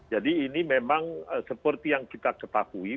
jadi ini memang seperti yang kita ketahui